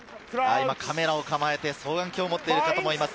カメラを構えて双眼鏡を持っている方もいます。